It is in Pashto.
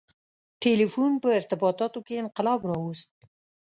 • ټیلیفون په ارتباطاتو کې انقلاب راوست.